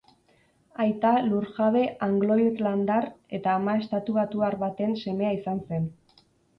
Aita lurjabe anglo-irlandar eta ama estatubatuar baten semea izan zen.